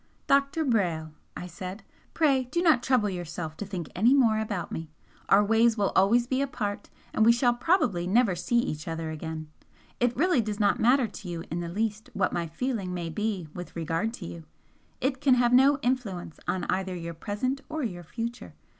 "Dr. Brayle," I said, "pray do not trouble yourself to think any more about me. Our ways will always be apart, and we shall probably never see each other again. It really does not matter to you in the least what my feeling may be with regard to you, it can have no influence on either your present or your future.